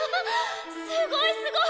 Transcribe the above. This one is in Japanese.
すごいすごい！